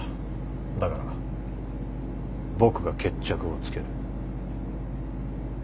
だから僕が決着をつける。